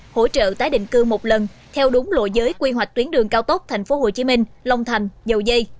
hỗ trợ tái định cư một lần theo đúng lộ giới quy hoạch tuyến đường cao tốc tp hcm long thành dầu dây